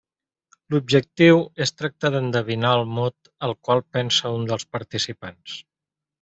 L'objectiu és tractar d'endevinar el mot al qual pensa un dels participants.